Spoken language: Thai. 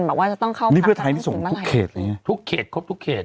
บอกว่าจะต้องเข้ามานี่เพื่อไทยนี่ส่งมาทุกเขตอะไรอย่างเงี้ทุกเขตครบทุกเขต